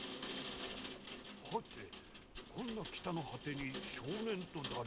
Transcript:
はてこんな北の果てに少年とだるまとは？